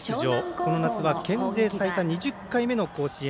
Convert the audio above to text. この夏は県勢最多２０回目の甲子園。